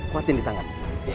kuatin di tangan